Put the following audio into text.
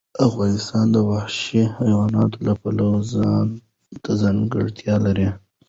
افغانستان د وحشي حیواناتو له پلوه ځانته ځانګړتیا لري.